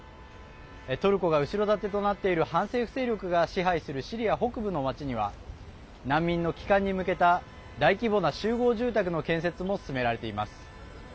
トルコが後ろ盾となっている反政府勢力が支配するシリア北部の町には難民の帰還に向けた大規模な集合住宅の建設も進められています。